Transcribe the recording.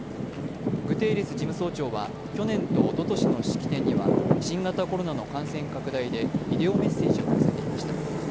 グテーレス事務総長は去年とおととしの式典には新型コロナの感染拡大でビデオメッセージを寄せていました。